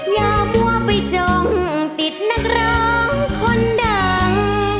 อย่ามัวไปจงติดนักร้องคนดัง